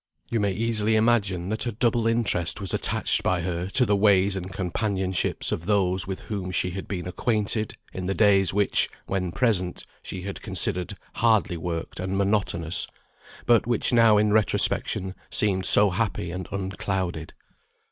You may easily imagine that a double interest was attached by her to the ways and companionships of those with whom she had been acquainted in the days which, when present, she had considered hardly worked and monotonous, but which now in retrospection seemed so happy and unclouded.